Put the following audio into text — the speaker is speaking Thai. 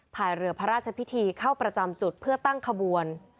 ภายเรือพระราชพิธีเข้าประจำจุดเพื่อตั้งขบวน